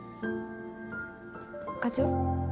課長？